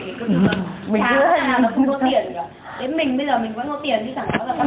đến mình bây giờ mình vẫn có tiền